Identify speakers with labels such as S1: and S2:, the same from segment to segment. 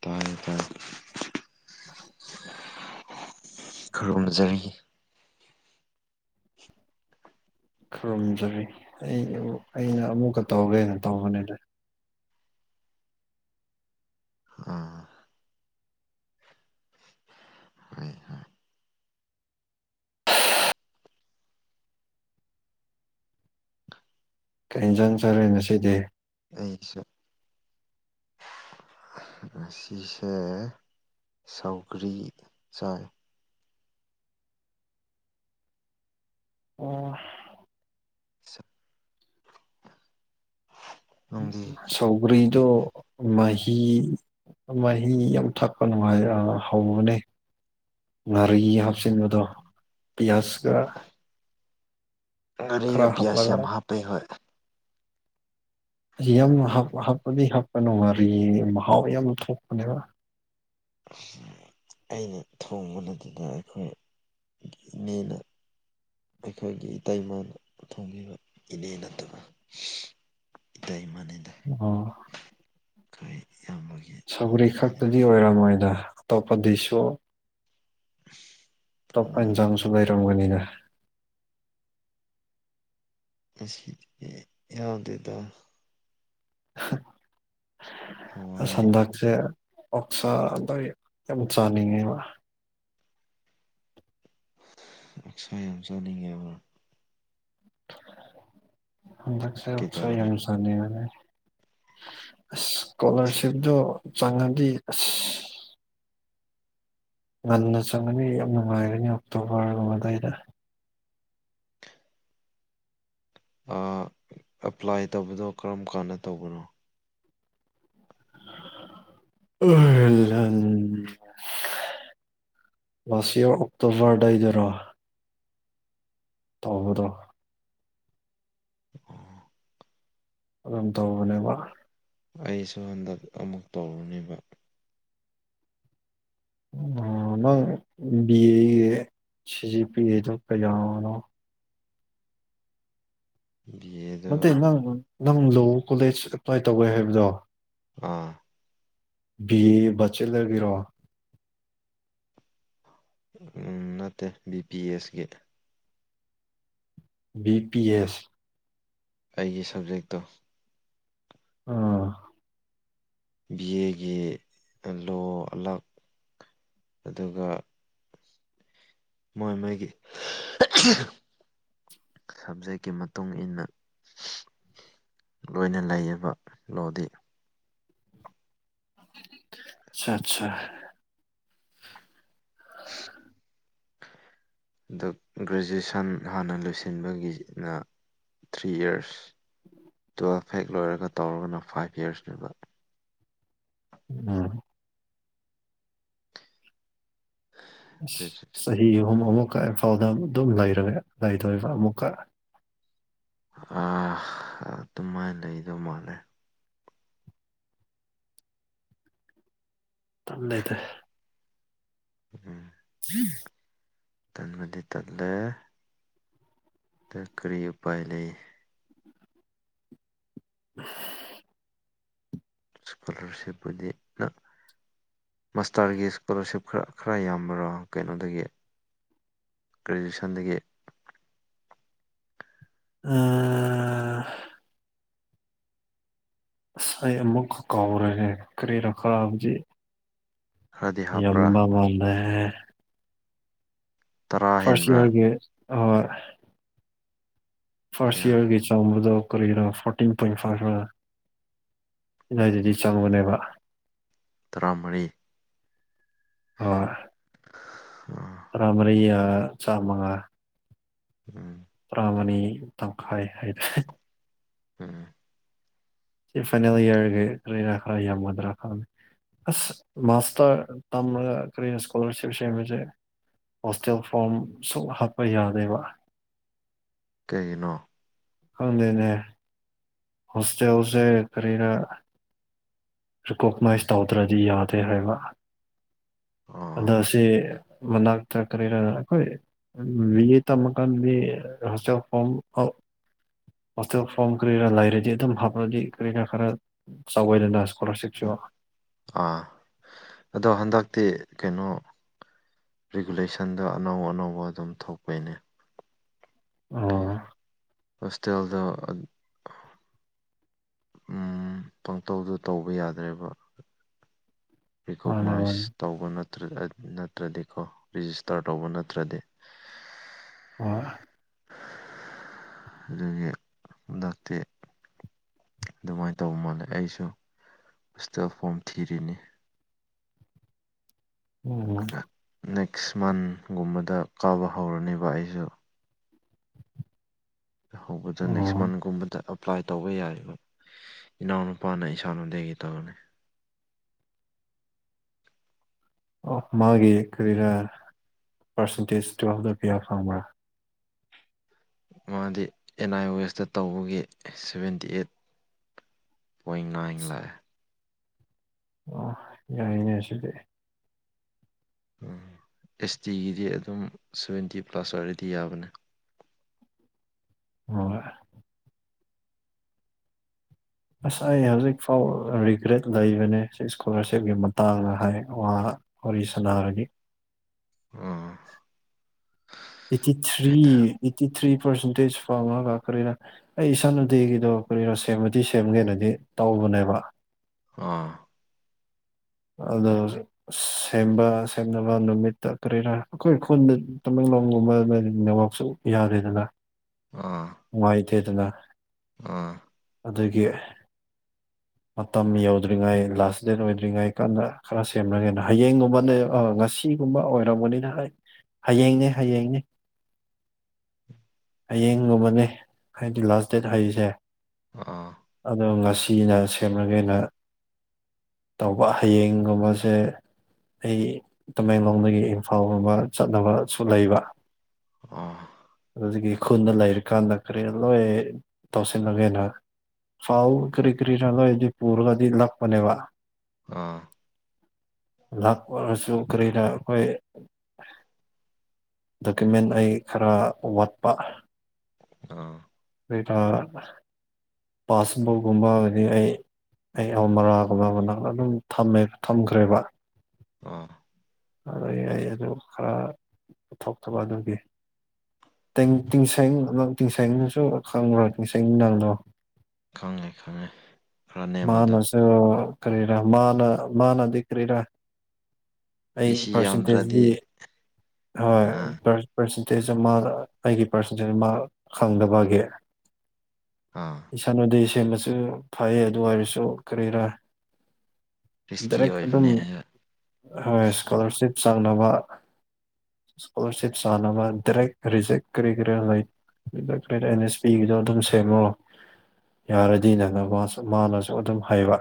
S1: ꯇꯥꯏ ꯇꯥꯏ
S2: [inaudible]
S1: ꯈꯨꯔꯨꯝꯖꯔꯤ
S2: ꯈꯨꯔꯨꯝꯖꯔꯤ ꯑꯩ ꯑꯩꯅ ꯑꯃꯨꯛꯀ ꯇꯧꯔꯒꯦꯅ ꯇꯧꯕꯅꯦꯗ
S1: ꯎꯝ ꯍꯣꯏ ꯍꯣꯏ
S2: ꯀꯔꯤ ꯏꯟꯖꯥꯡ ꯆꯔꯦ ꯉꯁꯤꯗꯤ
S1: ꯑꯩꯁꯦ ꯉꯁꯤꯁꯦ ꯁꯧꯒ꯭ꯔꯤ ꯆꯥꯏ
S2: ꯑꯣ
S1: [inaudible] ꯅꯪꯗꯤ
S2: ꯁꯧꯒ꯭ꯔꯤꯗꯣ ꯃꯍꯤ ꯃꯍꯤ ꯌꯥꯝ ꯊꯛꯄ ꯅꯨꯡꯉꯥꯏꯔ ꯍꯧꯕꯅꯦ ꯉꯥꯔꯤ ꯍꯥꯞꯆꯤꯟꯕꯗꯣ ꯄꯤꯌꯥꯖꯀ ꯈꯔ
S1: ꯉꯥꯔꯤꯒ ꯄꯤꯌꯥꯁ ꯌꯥꯝ
S2: ꯍꯥꯞꯂꯒ
S1: ꯍꯥꯞꯄꯦ ꯍꯣꯏ
S2: ꯌꯥꯝ ꯍꯥꯞ ꯍꯥꯞꯄꯗꯤ ꯍꯥꯞꯄꯀꯅꯨ ꯉꯥꯔꯤ ꯃꯍꯥꯎ ꯌꯥꯝ ꯊꯣꯛꯄꯅꯦꯕ
S1: ꯑꯩꯅ ꯊꯣꯡꯕ ꯅꯠꯇꯦꯗ ꯑꯩꯈꯣꯏ ꯏꯅꯦꯅ ꯑꯩꯈꯣꯏꯒꯤ ꯏꯇꯩꯩꯃꯥꯅ ꯊꯣꯡꯕꯤꯕ ꯏꯅꯦ ꯅꯠꯇꯕ ꯏꯇꯩꯃꯅꯦꯗ
S2: ꯑꫭ
S1: ꯈꫭꯏ ꯏꯌꯥꯝꯕꯒꯤ
S2: ꯁꯧꯒ꯭ꯔꯤ
S1: ꯅꯨꯄꯤꯅꯦꯕ
S2: ꯈꯛꯇꯗꯤ ꯑꯣꯏꯔꯝꯃꯣꯏꯗ ꯑꯇꯣꯞꯄ ꯗꯤꯁꯁꯨ ꯑꯇꯣꯞꯄ
S1: ꯑꯥ
S2: ꯏꯟꯖꯥꯡꯁꯨ ꯂꯩꯔꯝꯒꯅꯤꯅ
S1: ꯉꯁꯤꯗꯤ ꯌꯥꯎꯗꯦꯗ
S2: [unintelligible] ꯑꯁ
S1: ꯍꯋꯥꯏ
S2: ꯍꯟꯗꯛꯁꯦ ꯑꯣꯛꯁꯥꯗꫭ ꯌꯥꯝ ꯆꯥꯅꯤꯡꯉꯦꯕ
S1: ꯑꫭꯛꯁꯥ ꯌꯥꯝ ꯆꯥꯅꯤꯡꯉꯦꯕ
S2: ꯍꯟꯗꯛꯁꯦ ꯑꫭꯛꯁꯥ
S1: ꯀꯩꯗꯧꯔꯦ
S2: ꯌꯥꯝ ꯆꯥꯅꯤꯡꯕꯅꯤ ꯑꯁ ꯁ꯭ꯀꯣꯂꯥꯔꯁꯤꯞꯇꯣ ꯆꯪꯉꯗꯤ ꯑꯁ ꯉꯟꯅ ꯆꯪꯉꯗꯤ ꯌꯥꯝ ꯅꯨꯡꯉꯥꯏꯔꯅꯤ ꯑꯣꯛꯇꯣꯕꯔꯒꯨꯝꯕ ꯑꯗꯥꯏꯗ
S1: ꯑ ꯑꯦꯄ꯭ꯂꯥꯏ ꯇꯧꯕꯗꯣ ꯀꯔꯝ ꯀꯥꯟꯗ ꯇꯧꯕꯅꯣ
S2: [unintelligible] ꯂꯥꯁ ꯏꯌꯔ ꯑꯣꯛꯇꯣꯕꯔ ꯑꯗꯥꯏꯗꯔꯣ ꯇꯧꯕꯗꯣ
S1: [inaudible]
S2: ꯑꯗꯨꯝ ꯇꯧꯕꯅꯦꯕ
S1: ꯑꯩꯁꯨ ꯍꯟꯗꯛ ꯑꯃꯨꯛ ꯇꯧꯔꯨꯅꯦꯕ
S2: ꯅꯪ ꯕꯤ ꯑꯦꯒꯤ ꯁꯤꯖꯤ ꯄꯤ ꯑꯦꯗ ꯀꯌꯥꯅꯣ
S1: ꯕꯤ ꯑꯦꯠ
S2: ꯅꯠꯇꯦ ꯅꯪ ꯂꯣ ꯀꯣꯂꯦꯖ ꯑꯦꯄ꯭ꯂꯥꯏ ꯇꯧꯒ꯭ꯔꯦ ꯍꯥꯏꯕꯗꯣ
S1: ꯑꯥ
S2: ꯕꯤ ꯑꯦ ꯕꯆꯦꯂꯔꯒꯤꯔꯣ
S1: ꯅꯠꯇꯦ B P ꯑꯦꯁꯀꯤ
S2: B P S
S1: ꯑꯩꯒꯤ ꯁꯕꯖꯦꯛꯇꯣ
S2: ꯑꯥ
S1: ꯕꯤ ꯑꯦꯒꯤ ꯂꯣ ꯂꯛ ꯑꯗꯨꯒ ꯃꯣꯏ ꯃꯣꯏꯒꯤ ꯁꯨꯟꯖꯦꯠꯀꯤ ꯃꯇꯨꯡ ꯏꯟꯅꯥ ꯂꯣꯏꯅ ꯂꯩꯔꯤꯕꯌꯦꯕ ꯂꯣꯗꯤ
S2: ꯑ ꯑꯠꯆꯥ
S1: ꯑꯗ ꯒ꯭ꯔꯦꯖꯨꯦꯁꯟ ꯍꯥꯟꯅ ꯂꯣꯏꯁꯤꯟꯕꯒꯤꯅ ꯊ꯭ꯔꯤ ꯏꯔꯁ ꯇꯨꯌꯦꯜꯐ ꯍꯦꯛ ꯂꯣꯏꯔꯒ ꯇꯧꯔꯒꯅ ꯐꯥꯏꯚ ꯌꯔꯁꯅꯦꯕ
S2: ꯎꯝ
S1: ꯒ꯭ꯔꯦꯖꯨꯑꯦꯁꯟ
S2: ꯑꯁ ꯆꯍꯤ ꯑꯍꯨꯝ ꯑꯃꯨꯛꯀ ꯏꯐꯥꯎꯗ ꯑꯗꯨꯝ ꯂꯩꯔꯔꯦ ꯂꯩꯗꯣꯏꯔꯤꯕ ꯑꯃꯨꯛꯀ
S1: ꯑꯥ ꯑꯗꯨꯃꯥꯏꯅ ꯂꯩꯗꯧ ꯃꯥꯜꯂ
S2: ꯇꯝꯗ ꯂꯩꯗ
S1: ꯎꯝ
S2: [inaudible]
S1: ꯇꯟꯕꯗꯤ ꯇꯠꯂꯦ ꯀꯔꯤ ꯎꯄꯥꯏ ꯂꯩ
S2: [inaudible]
S1: ꯏꯁꯀꯣꯂꯔꯁꯤꯞꯄꯨꯗꯤꯅ ꯃꯥꯁꯇꯔꯒꯤ ꯏꯁꯀꯣꯂꯥꯔꯁꯤꯞ ꯈꯔ ꯈꯔ ꯌꯥꯝꯕꯔꯥ ꯀꯩꯅꯣꯗꯒꯤ ꯒ꯭ꯔꯦꯖꯨꯌꯦꯁꯟꯗꯒꯤ
S2: ꯑ ꯉꯥꯏ ꯑꯃꯨꯛꯀ ꯀꯥꯎꯔꯦ ꯀꯔꯤꯔꯀꯥꯕꯖꯤ
S1: ꯈꯔꯗꯤ ꯍꯥꯞꯄ꯭ꯔꯥ
S2: ꯌꯝꯕ ꯃꯜꯂꯦꯍꯦ
S1: ꯇꯔꯥ
S2: ꯐꯥꯔꯁ
S1: ꯍꯦꯟꯕ꯭ꯔꯥ
S2: ꯏꯌꯥꯔꯒꯤ ꯐꯥꯔꯁ
S1: ꯀꯌꯥ
S2: ꯏꯌꯥꯔꯒꯤ ꯆꯥꯎꯥꯡꯕꯗ ꯀꯔꯤꯅꯣ ꯐꯣꯔꯇꯤꯟ ꯄꯣꯏꯟ ꯐꯥꯏꯚ ꯔ ꯑꯗꯨꯗꯏꯗꯗꯤ ꯆꯪꯕꯅꯦꯕ
S1: ꯇꯔꯥꯃꯔꯤ
S2: ꯍꯣꯏ
S1: ꯑꯥ
S2: ꯇꯔꯥꯃꯔꯤ ꯑꯥ ꯆꯥ ꯃꯉꯥ
S1: ꯎꯝ
S2: ꯄꯨꯔꯥ ꯃꯅꯤ ꯇꯪꯈꯥꯏ ꯍꯥꯏꯗ
S1: ꯎꯝ
S2: ꯁꯤ ꯐꯥꯏꯅꯦꯜ ꯏꯌꯥꯔꯒ ꯂꯩꯅꯥ ꯈ꯭ꯔ ꯌꯥꯝꯒꯗ꯭ꯔꯥ ꯈꯃꯦ ꯑꯁ ꯃꯥꯁꯇꯔ ꯇꯝꯃꯒ ꯀꯔꯤꯅ ꯏꯁꯀꯣꯂꯥꯔꯁꯤꯞ ꯁꯦꯝꯕꯁꯦ ꯍꯣꯁꯇꯦꯜ ꯐꯣꯔꯝ ꯁꯨꯡ ꯍꯥꯞꯄ ꯌꯥꯗꯦꯕ
S1: ꯀꯩꯒꯤꯅꯣ
S2: ꯈꯪꯗꯦꯅꯦ ꯍꯣꯁꯇꯦꯜꯁꯦ ꯀꯔꯤꯅ ꯔꯤꯀꯣꯛꯅꯥꯏꯁ ꯇꯧꯗ꯭ꯔꯗꯤ ꯌꯥꯗꯦ ꯍꯥꯏꯕ
S1: ꯑꯣ
S2: ꯑꯗꯣ ꯁꯤ ꯃꯅꯥꯛꯇ ꯀꯔꯤꯔ ꯑꯩꯈꯣꯏ ꯔꯤꯌꯦ ꯇꯝꯃꯥꯀꯟꯗꯗꯤ ꯍꯣꯏꯇꯦꯜ ꯐꯣꯝ ꯍꯣꯁꯇꯦꯜ ꯐꯣꯝ ꯀꯔ ꯂꯥꯏꯔꯤ ꯍꯥꯏꯗꯤ ꯑꯗꯨꯝ ꯍꯥꯞꯄꯗꯤ ꯀꯔꯤꯅꯥ ꯈꯔ ꯆꯥꯎꯋꯏꯗꯅ ꯏꯁꯀꯣꯂꯥꯔꯁꯤꯞꯁꯨ
S1: ꯑꯥ ꯑꯗꯣ ꯍꯟꯗꯛꯇꯤ ꯀꯩꯅꯣ ꯔꯤꯒꯨꯂꯦꯁꯟꯗ ꯑꯅꯧ ꯑꯅꯧꯕ ꯑꯗꯨꯝ ꯊꯣꯛꯄꯩꯅꯦ
S2: ꯑꯣ
S1: ꯍꯣꯁꯇꯦꯜꯗ ꯎꯝ ꯄꯪꯇꯧꯗ ꯇꯧꯕ ꯌꯥꯗ꯭ꯔꯦꯕ
S2: ꯃꯥꯅꯦ
S1: ꯔꯤꯀꯣꯛꯅꯥꯏꯁ
S2: ꯃꯥꯅꯦ
S1: ꯇꯧꯕ ꯅꯠꯇ꯭ꯔꯗꯤꯀꯣ ꯔꯤꯖꯤꯁꯇꯔ ꯇꯧꯕ ꯅꯠꯇ꯭ꯔꯗꯤ
S2: ꯑꯣ
S1: ꯑꯗꯨꯗꯒꯤ ꯗꯇ ꯑꯗꯨꯃꯥꯏꯅ ꯇꯧꯕ ꯃꯥꯜꯂꯦ ꯑꯩꯁꯨ ꯄꯨꯁꯇꯜ ꯐꯣꯝ ꯊꯤꯔꯤꯅꯤ
S2: ꯎꯝ
S1: ꯅꯦꯛꯁ ꯃꯟꯒꯨꯝꯕꯗ ꯀꯥꯕ ꯍꯧꯔꯅꯦꯕ ꯑꯩꯁꯨ ꯍꯧꯕꯗ ꯅꯦꯛꯁ
S2: ꯎꯝ
S1: ꯃꯟꯊꯒꯨꯝꯕꯗ ꯑꯦꯄ꯭ꯂꯥꯏ ꯇꯧꯕ ꯌꯥꯏꯔꯤꯕ ꯏꯅꯥꯎꯅꯨꯄꯥꯅ ꯏꯁꯥꯅꯅꯨꯡꯗꯒꯤꯩꯒ ꯇꯧꯔꯅꯤ
S2: ꯃꯥꯒꯤ ꯀꯔꯤꯔ ꯄꯥꯔꯁꯦꯟꯇꯦꯖ ꯇꯨꯌꯦꯦꯜꯐꯗ ꯄꯤꯌꯥ ꯐꯪꯕ꯭ꯔꯥ
S1: ꯃꯥꯗꯤ ꯑꯦꯟ ꯑꯥꯏ ꯋ ꯑꯦꯦꯁꯇ ꯇꯧꯕꯒꯤ ꯁꯕꯦꯟꯇꯤ ꯑꯩꯠ ꯄꯏꯪꯂꯦ
S2: ꯑ ꯌꯥꯏꯅꯦ ꯑꯁꯤꯗꯤ
S1: ꯑꯦꯁ ꯇꯤꯒꯤꯗꯤ ꯑꯗꯨꯝ ꯁꯚꯦꯟꯇꯤ ꯄ꯭ꯂꯁ ꯑꯣꯏꯔꯗꯤ ꯌꯥꯕꯅꯦ
S2: ꯍꯣꯏ ꯑꯁ ꯑꯩ ꯍꯧꯖꯤꯛ ꯐꯥꯎ ꯔꯤꯒ꯭ꯔꯦꯠ ꯂꯩꯕꯅꯦ ꯏꯁꯀꯣꯂꯥꯔꯁꯤꯞꯀꯤ ꯃꯇꯥꯡꯗ ꯍꯥꯏ ꯋꯥ ꯑꯣꯔꯤꯁꯨꯅꯔꯒꯤ
S1: um
S2: eighty three eighty three percentage ꯐꯥꯎꯃ ꯂꯥꯛꯈ꯭ꯔꯦꯔ ꯑꯩ ꯏꯁꯥꯅꯨꯇꯒꯤꯗꯣ ꯀꯔꯤꯅꯣ ꯁꯦꯝꯃꯗꯤ ꯁꯦꯝꯒꯦꯅꯗꯤ ꯇꯧꯕꯅꯦꯕ
S1: ꯑꯥ
S2: ꯍꯗ ꯁꯦꯝꯕ ꯁꯦꯝꯅꯕ ꯅꯨꯃꯤꯠꯇ ꯀꯔꯤꯔꯥ ꯑꯩꯈꯣꯏ ꯈꯨꯣꯟꯗ ꯇꯃꯦꯡꯂꯣꯡꯒꯨꯝꯕꯣꯏꯋꯥꯛꯁꯨ ꯌꯥꯎꯔꯦꯗꯂ
S1: ꯑꯥ
S2: ꯉꯥꯏ ꯇꯦ ꯑꯗꯨꯅ
S1: ꯑꯥ
S2: ꯑꯗꯒꯤ ꯃꯇꯝ ꯌꯧꯗ꯭ꯔꯤꯉꯩ ꯂꯥꯁ ꯗꯦꯠ ꯑꯣꯏꯗ꯭ꯔꯤꯉꯩ ꯀꯟꯅ ꯈꯔ ꯁꯦꯝꯅꯉꯦꯅ ꯍꯌꯦꯡꯒꯨꯝꯕꯅꯦ ꯉꯁꯤ ꯑꯁꯤꯒꯨꯝꯕ ꯑꯣꯏꯔꯕꯅꯤꯅ ꯑꯩ ꯍꯌꯦꯡꯅꯦ ꯍꯌꯦꯡꯅꯦ ꯍꯌꯦꯡ ꯅꯣꯡꯃꯅꯤ ꯍꯥꯏꯗꯤ ꯂꯥꯁ ꯗꯦꯠ ꯍꯔꯤꯁꯦ
S1: ꯑꯥ
S2: ꯑꯗꯣ ꯉꯁꯤꯅ ꯁꯦꯝꯃꯒꯦꯅ ꯇꯧꯕ ꯍꯌꯦꯡꯒꯨꯝꯕꯁꯦ ꯑꯩ ꯇꯃꯦꯡꯂꯣꯡꯗꯒꯤ ꯏꯝꯐꯥꯜꯒꯨꯝꯕ ꯆꯠꯅꯕꯁꯨ ꯂꯩꯕ
S1: [unintelligible]
S2: ꯑꯗꯨꯗꯒꯤ ꯈꯨꯗ ꯂꯩꯔꯤꯀꯥꯟꯗ ꯀꯔꯤ ꯂꯣꯏ ꯇꯧꯁꯤꯜꯂꯒꯦꯅ ꯐꯥꯎꯎ ꯀꯔꯤ ꯀꯔꯤꯅꯂꯣꯗꯤ ꯄꯔꯒꯗꯤ ꯂꯞꯄꯅꯦꯕ
S1: [unintelligible]
S2: ꯂꯥꯛꯄ ꯑꯣꯏꯔꯁꯨ ꯀꯔꯤꯅ ꯑꯩꯈꯣꯏ ꯗꯣꯀꯨꯃꯦꯟ ꯑꯩ ꯈꯔ ꯋꯥꯠꯄ
S1: [unintelligible]
S2: ꯄꯥꯁꯕꯨꯛꯀꯨꯝꯕ ꯍꯥꯏꯗꯤ ꯑꯩ ꯑꯩ ꯑ ꯃꯔꯥꯒꯨꯝꯕ ꯃꯅꯥ ꯑꯗꯨꯝ ꯊꯝꯃꯦ ꯊꯝꯈ꯭ꯔꯦꯕ
S1: [unintelligible]
S2: ꯑꯗꯨ ꯑꯩ ꯑꯗꯨ ꯈꯔ ꯄꯨꯊꯣꯛꯇꯕ ꯑꯗꯨꯒꯤ ꯇꯦꯡ ꯇꯤꯡꯁꯪ ꯇꯤꯡꯁꯪꯗꯨꯁꯨ ꯈꯪꯕ꯭ꯔꯣ ꯇꯤꯡꯁꯪ ꯅꯪꯗꯣ
S1: ꯈꯪꯉꯦ -ꯈꯪꯉꯦ ꯈꯔ ꯅꯦꯝꯃꯗꯣ
S2: ꯑ ꯀꯔꯤꯔꯥ ꯃꯥꯅ ꯃꯥꯅꯗꯤ ꯀꯔꯤꯔꯥ ꯑꯩ
S1: ꯄꯤꯁꯤ ꯌꯥꯝꯗ꯭ꯔꯗꯤ
S2: ꯄꯥꯔꯁꯦꯟꯇꯦꯖꯗꯤ
S1: ꯑꯥ
S2: ꯍꯣꯏ ꯄꯥꯔꯁꯦꯟꯇꯦꯖ ꯑꯃꯒ ꯑꯩꯒꯤ ꯄꯥꯔꯁꯦꯟꯇꯦꯖ ꯑꯃ ꯈꯪꯗꯕꯒꯤ
S1: ꯑꯥ
S2: ꯏꯁꯟ ꯎꯗꯦ ꯁꯦꯝꯕꯁꯨ ꯐꯩ ꯑꯗꯨ ꯑꯣꯏꯔꯁꯨ ꯀꯔꯤꯔꯥ
S1: ꯔꯤꯁꯀꯤ
S2: ꯗꯥꯏꯔꯦꯛ ꯑꯗꯨꯝ
S1: ꯑꯣꯏꯕꯅꯦ ꯍꯥꯏꯕ
S2: ꯍꯣꯏ ꯏꯁꯀꯣꯂꯥꯔꯁꯤꯞ ꯆꯪꯅꯕ ꯏꯁꯀꯣꯂꯔꯁꯤꯞ ꯁꯅꯕ ꯗꯔꯦꯛ ꯔꯤꯖꯦꯛ ꯀꯔꯤ ꯀꯔꯥ ꯂꯩ [unintelligible] ꯑꯟ ꯑꯦꯁ ꯄꯤꯒꯤꯗꯣ ꯑꯗꯨꯝ ꯁꯦꯝꯃꯣ ꯌꯥꯔꯗꯤ ꯅꯪꯅ ꯃꯁꯨ ꯃꯥꯅꯁꯨ ꯑꯗꯨꯝ ꯍꯥꯏꯕ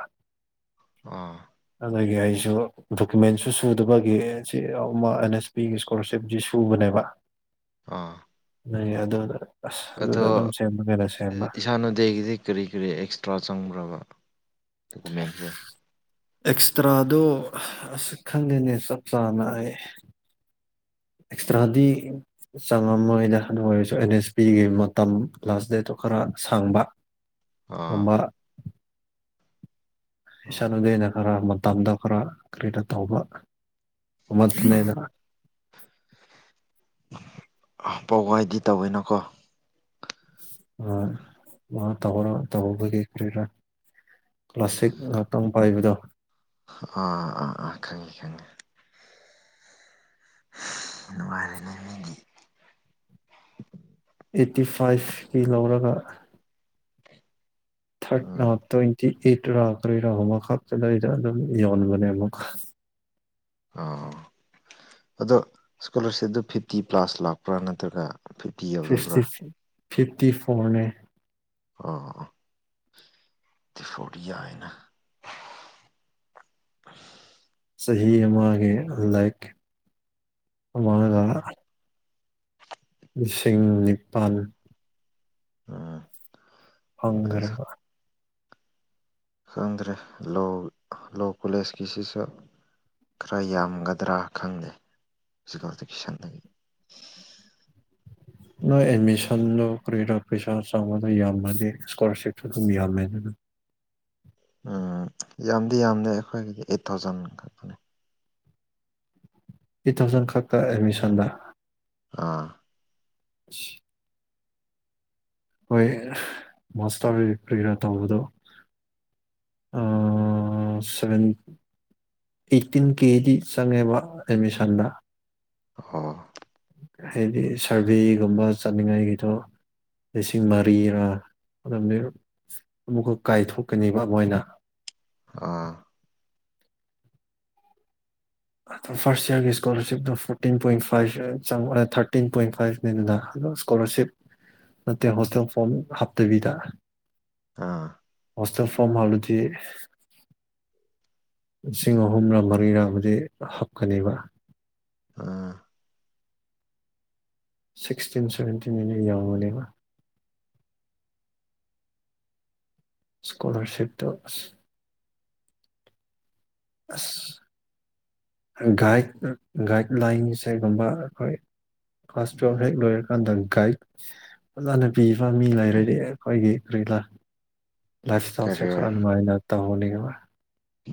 S1: ꯑꯥ
S2: ꯑꯗꯒꯤ ꯑꯩꯁꯨ ꯗꯣꯀꯨꯃꯦꯟꯁꯨ ꯁꯨꯗꯕꯒꯤ [unintelligible] ꯃꯤꯒꯤ ꯏꯁꯀꯣꯂꯥꯔꯁꯤꯞꯁꯤ ꯁꯨꯕꯅꯦꯕ
S1: ꯑꯥ
S2: ꯅꯪꯒꯤ ꯑꯗꯨꯅ
S1: ꯑꯗꯣ ꯏꯁꯥꯟ ꯎꯗꯦꯒꯤꯗꯤ ꯀꯔꯤ ꯀꯔꯤ ꯑꯦꯛꯁꯇ꯭ꯔꯥ ꯆꯪꯕ꯭ꯔꯕ ꯗꯣꯀꯨꯃꯦꯟꯁꯦ
S2: ꯑꯦꯛꯁꯇ꯭ꯔꯥꯗꯣ ꯑꯁ ꯈꯪꯗꯦꯅꯦ ꯆꯞ ꯆꯥꯅ ꯑꯩ ꯑꯦꯛꯁꯇ꯭ꯔꯥꯗꯤ ꯆꯪꯉꯝꯃꯣꯏꯗ ꯑꯗꯨ ꯑꯣꯏꯔꯁꯨ ꯑꯦꯟ ꯑꯦꯁ ꯄꯤꯒꯤ ꯃꯇꯝ ꯂꯥꯁ ꯗꯦꯠꯇꯣ ꯈꯔ ꯁꯥꯡꯕ
S1: ꯑꯥ
S2: ꯑꯃ
S1: ꯑꯥ
S2: ꯏꯁꯥꯟ ꯎꯗꯦꯅ ꯈꯔ ꯃꯇꯝꯗꯣ ꯈꯔ ꯀꯔꯤꯔ ꯇꯧꯕ ꯑꯃꯗꯨꯅꯦꯅ
S1: ꯑꯥ ꯄꯋꯥꯏꯗꯤ ꯇꯥꯋꯦꯅ ꯀꯣ
S2: ꯑ ꯑꯗꯨꯃꯥꯏ ꯇꯧꯔꯒ ꯇꯧꯕꯗꯤ ꯀꯔꯤꯔ ꯀ꯭ꯂꯥꯁꯤꯛ ꯉꯥꯛꯇꯪ ꯄꯥꯏꯕꯗꯣ
S1: ꯑꯥ ꯑꯥ ꯑꯥ ꯈꯪꯉꯤ ꯈꯪꯉꯤ ꯅꯨꯡꯉꯥꯏꯔꯅꯦ
S2: ꯑꯦꯠꯇꯤ ꯐꯥꯏꯚꯀꯤ ꯂꯧꯔꯒ
S1: [inaudible]
S2: ꯊꯥꯔꯠꯅ
S1: ꯎꯝ
S2: ꯇ꯭ꯋꯦꯟꯇꯤ ꯑꯦꯠꯂ ꯀꯔꯤꯔꯥ ꯑꯃꯈꯛꯇꯂꯩꯗ ꯑꯗꯨꯝ ꯌꯣꯟꯕꯅꯦ
S1: ꯑ ꯑꯗꯣ ꯏꯁ꯭ꯀꯣꯂꯥꯔꯁꯤꯞꯇꯣ ꯐꯤꯞꯇꯤ ꯄ꯭ꯂꯥꯁ ꯂꯥꯛꯄ꯭ꯔꯥ ꯅꯠꯇ꯭ꯔꯒ ꯐꯤꯐꯇꯤ
S2: ꯐꯤꯞꯇꯤ
S1: ꯌꯧꯗꯕ꯭ꯔꯥ
S2: ꯐꯤꯞꯇꯤ ꯐꯣꯔꯅꯦ
S1: ꯑꯣ ꯑꯣ [unintelligible] ꯌꯥꯏꯅ
S2: ꯆꯍꯤ ꯑꯃꯒꯤ ꯂꯥꯏꯔꯤꯛ ꯑꯃꯒ ꯂꯤꯁꯤꯡ ꯅꯤꯄꯥꯜ
S1: ꯑꯥ
S2: ꯐꯪꯒ꯭ꯔꯦꯕ
S1: ꯈꯪꯪꯗ꯭ꯔꯦ ꯂꯣ ꯂꯣ ꯀꯣꯂꯦꯖꯀꯤꯁꯤꯁꯨ ꯈꯔ ꯌꯥꯝꯒꯗ꯭ꯔꯥ ꯈꯪꯗꯦ [unintelligible] ꯁꯟꯗꯒꯤ
S2: ꯅꯣꯏ ꯑꯦꯠꯃꯤꯁꯟꯗꯣ ꯀꯔꯤꯔꯥ ꯄꯩꯁꯥ ꯆꯥꯕꯗ ꯌꯥꯝꯃꯗꯤ ꯏꯁꯀꯣꯂꯥꯔꯁꯤꯞꯁꯨ ꯑꯗꯨꯝ ꯌꯥꯝꯃꯦꯗꯅ
S1: ꯑꯥ ꯌꯥꯝꯗꯤ ꯌꯥꯝꯗꯦ ꯑꯩꯈꯣꯏꯒꯤꯗꯤ ꯑꯦꯠ ꯊꯥꯎꯖꯟ ꯈꯛꯇꯅꯦ
S2: ꯑꯦꯠ ꯊꯥꯎꯖꯟ ꯈꯛꯇ ꯑꯦꯗꯃꯤꯁꯟꯗ
S1: ꯑꯥ
S2: ꯏꯁ ꯍꯣꯏ ꯃꯥꯁꯇꯔ ꯀꯔꯤꯔꯥ ꯇꯧꯕꯗꯣ ꯑ ꯁꯚꯦꯟꯇꯤ ꯑꯩꯠꯇꯤꯟ ꯀꯦꯗꯤ ꯆꯪꯉꯦꯕ ꯑꯦꯠꯃꯤꯁꯟꯗ
S1: ꯍ
S2: ꯍꯥꯏꯗꯤ ꯁꯔꯚꯦꯒꯨꯝꯕ ꯆꯠꯅꯤꯡꯉꯥꯏꯒꯤꯗꯣ ꯂꯤꯁꯤꯡ ꯃꯔꯤꯒ ꯑꯗꯨ ꯑꯃꯨꯛꯀ ꯀꯥꯏꯊꯣꯛꯀꯅꯦꯕ ꯃꯣꯏꯅ
S1: ꯑꯥ
S2: ꯐꯥꯔꯁ ꯏꯌꯥꯔꯒꯤ ꯏꯁꯀꯣꯂꯔꯁꯤꯞꯇꯣ ꯐꯣꯔꯇꯤꯟ ꯄꯣꯏꯟ ꯐꯥꯏꯚ ꯆꯪꯉ ꯊꯥꯔꯇꯤꯟ ꯄꯣꯏꯟ ꯐꯥꯏꯚ ꯂꯣꯏꯅꯅ ꯏꯁꯀꯣꯂꯥꯔꯁꯤꯞ ꯅꯠꯇꯦ ꯍꯣꯁꯇꯦꯜ ꯐꯣꯔꯝ ꯍꯥꯞꯇꯕꯤꯗ
S1: ꯑꯥ
S2: ꯍꯁꯇꯦꯜ ꯐꯣꯔꯝ ꯍꯥꯂꯨꯗꯤ ꯂꯤꯁꯤꯡ ꯑꯍꯨꯝꯂꯥ ꯃꯔꯤꯔꯥꯕꯨꯗꯤ ꯍꯥꯞꯀꯅꯦꯕ
S1: ꯑ
S2: ꯁꯤꯛꯁꯇꯤꯟ ꯁꯚꯦꯟꯇꯤꯟ ꯑꯩꯅ ꯌꯥꯎꯕꯥꯅꯦꯕ ꯏꯁ꯭ꯀꯣꯂꯔꯁꯤꯞꯇꯣ ꯑꯁ ꯥꯑꯁ ꯑꯒꯥꯏ ꯒꯥꯏꯗꯂꯥꯏꯟꯁꯩꯒꯨꯝꯕ ꯑꯩꯈꯣꯏ ꯀ꯭ꯂꯥꯁ ꯇꯨꯌꯦꯜꯐ ꯍꯦꯛ ꯂꯣꯏꯔꯀꯥꯟꯗ ꯒꯥꯏꯗ ꯑꯣꯖꯅ ꯄꯤꯕ ꯃꯤ ꯂꯩꯔꯗꯤ ꯑꯩꯈꯣꯏꯒꯤ ꯀꯔꯤꯂꯥ ꯂꯥꯏꯐ ꯏꯁꯇꯥꯏꯜꯁꯦ
S1: ꯀꯦꯔꯤꯌꯔ
S2: ꯈꯔ ꯅꯨꯡꯉꯥꯏꯅ ꯇꯧꯅꯦꯕ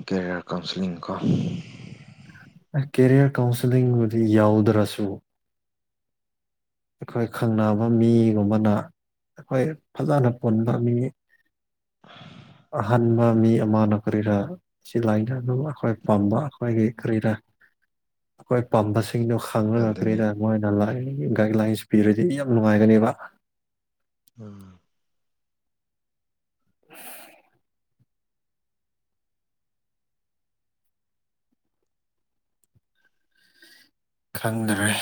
S1: ꯀꯦꯔꯤꯌꯔ ꯀꯥꯎꯟꯁꯤꯂꯤꯡ ꯀꯣ
S2: ꯀꯦꯔꯤꯌꯔ ꯀꯥꯎꯟꯁꯤꯦꯂꯤꯡꯕꯨꯗꯤ ꯌꯥꯎꯗ꯭ꯔꯁꯨ ꯑꯩꯈꯣꯏ ꯈꯪꯅꯕ ꯃꯤꯒꯨꯝꯕꯅ ꯑꯩꯈꯣꯏ ꯐꯖꯅ ꯄꯨꯟꯕ ꯃꯤ
S1: [unintelligible]
S2: ꯑꯍꯥꯟꯕ ꯃꯤ ꯑꯃꯅ ꯀꯔꯤꯔꯥ ꯁꯤ ꯂꯥꯏꯅ ꯑꯗꯨꯝ ꯑꯩꯈꯣꯏ ꯄꯥꯝꯕ ꯑꯩꯈꯣꯏꯒꯤ ꯀꯔꯤꯅ ꯑꯩꯈꯣꯏ ꯄꯥꯝꯕꯁꯤꯡꯗꯨꯣ ꯐꯪꯉꯒꯥ
S1: ꯑꯗꯨꯅꯤ
S2: ꯀꯔ꯭ꯤꯔꯥ ꯃꯣꯏꯅ ꯒꯥꯏꯗꯂꯥꯏꯟꯁ ꯄꯤꯔꯗꯤ ꯑꯩꯈꯣꯏ ꯌꯥꯝ ꯅꯨꯡꯉꯥꯏꯒꯅꯦꯕ
S1: ꯎꯝ
S2: ꯈꯪꯗꯔꯦ꯫